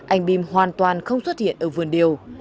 anh bim hoàn toàn không xuất hiện ở vườn điều